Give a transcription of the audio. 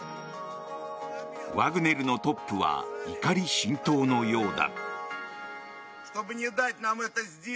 ワグネルのトップは怒り心頭のようだ。